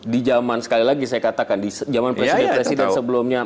di zaman sekali lagi saya katakan di zaman presiden presiden sebelumnya